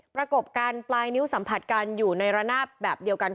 กบกันปลายนิ้วสัมผัสกันอยู่ในระนาบแบบเดียวกัน